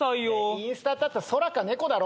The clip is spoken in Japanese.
インスタって空か猫だろ。